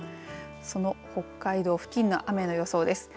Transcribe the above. その北海道付近の雨の予想です。